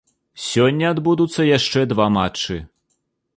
Сёння адбудуцца яшчэ два матчы.